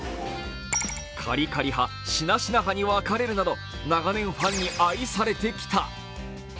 カリカリ派、しなしな派に分かれるなど、長年ファンに愛されてきた。